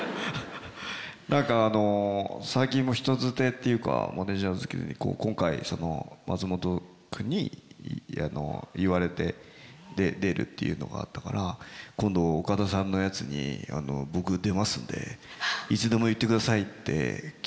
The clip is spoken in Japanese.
何か最近も人づてというかマネージャーづてに今回松本君に言われてで出るっていうのがあったから今度岡田さんのやつに僕出ますんでいつでも言ってくださいって来たんですけど